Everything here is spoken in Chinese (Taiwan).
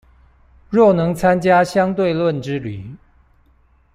若能參加相對論之旅